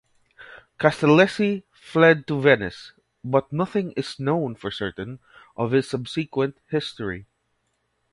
Castellesi fled to Venice, but nothing is known for certain of his subsequent history.